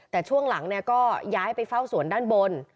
แต่ช่วงหลังก็ย้ายไปเฝ้าสวนด้านบน